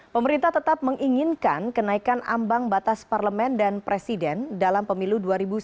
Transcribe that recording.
pemerintah tetap menginginkan kenaikan ambang batas parlemen dan presiden dalam pemilu dua ribu sembilan belas